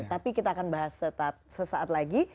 tapi kita akan bahas sesaat lagi